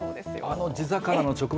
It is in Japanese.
あの地魚の直売